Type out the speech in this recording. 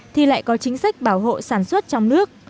thì lại có chính sách bảo hộ sản xuất trong nước